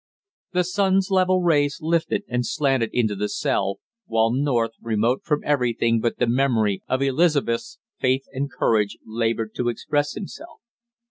The sun's level rays lifted and slanted into the cell, while North, remote from everything but the memory of Elizabeth's faith and courage, labored to express himself.